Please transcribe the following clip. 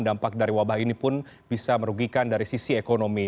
dampak dari wabah ini pun bisa merugikan dari sisi ekonomi